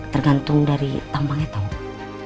tergantung dari tampangnya tau ga